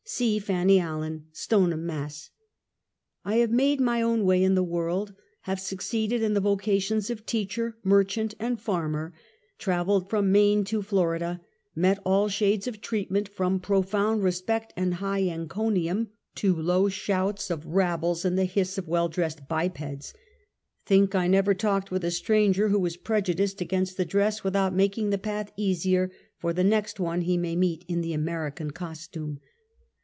C. Fanny Allyn, Stoneham, Mass. I have made my own way in the world. Have succeeded in the vocations of teacher, merchant and farmer ; traveled from Maine to Florida ; met all shades of treatment, from profound respect and high encomium to low shouts of rabbles, and the hiss of well dressed bipeds. Think I have never talked with a stranger who was prejudiced against the dress without making the path easier for the next one he may meet in the American Costume.